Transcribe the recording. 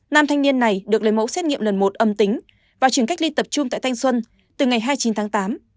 nam thanh niên này được lấy mẫu xét nghiệm lần một âm tính và chuyển cách ly tập trung tại thanh xuân từ ngày hai mươi chín tháng tám